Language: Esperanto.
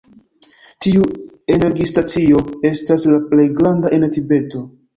Tiu energistacio estas la plej granda en Tibeto.